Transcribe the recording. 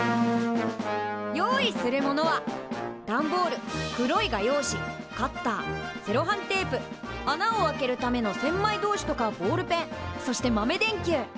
用意するものは段ボール黒い画用紙カッターセロハンテープ穴を開けるための千枚通しとかボールペンそして豆電球。